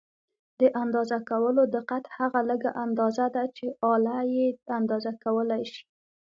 د اندازه کولو دقت هغه لږه اندازه ده چې آله یې اندازه کولای شي.